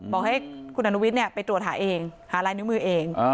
บอกให้คุณอนุวิทย์ไปตรวจหาเองหาลายนิ้วมือเอง